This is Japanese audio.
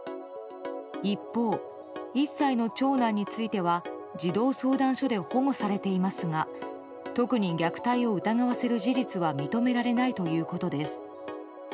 一方、１歳の長男については児童相談所で保護されていますが特に虐待を疑わせる事実は認められないということです。